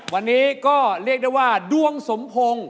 วันนี้ก็เรียกได้ว่าดวงสมพงศ์